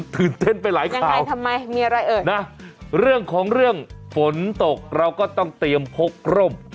ตื่นเต้นไปหลายข่าวนะเรื่องของเรื่องฝนตกเราก็ต้องเตรียมพกร่ม